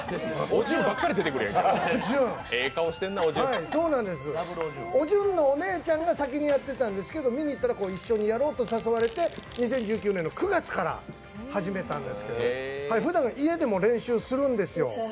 おじゅんのお姉ちゃんが先にやっていたんですけど、見に行ったら、一緒にやろうと誘われて２０１９年９月から始めたんですけどふだん家でも練習するんですよ。